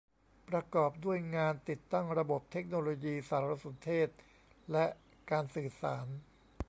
ประกอบด้วยงานติดตั้งระบบเทคโนโลยีสารสนเทศและการสื่อสาร